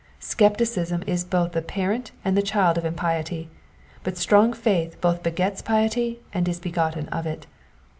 Scepticism is both the parent and the child of impiety ; but strong faith both begets piety and is begotten of it.